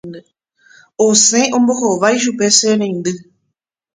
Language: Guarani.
Osẽ ombohovái chupe che reindy